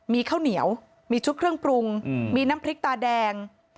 มีข้าวเหนียวมีชุดเครื่องปรุงมีน้ำพริกตาแดง